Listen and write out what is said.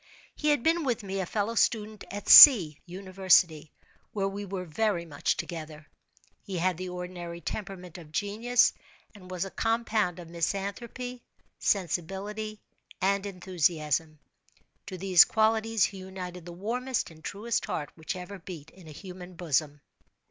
He had been with me a fellow student at C—— University, where we were very much together. He had the ordinary temperament of genius, and was a compound of misanthropy, sensibility, and enthusiasm. To these qualities he united the warmest and truest heart which ever beat in a human bosom.